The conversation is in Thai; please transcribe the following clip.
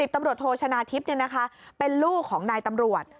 ตำรวจโทชนะทิพย์เป็นลูกของนายตำรวจ